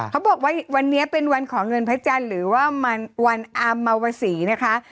เขาบอกว่าวันนี้เป็นวันขอเงินพระจันทร์หรือว่าวันอามวศรีนะคะ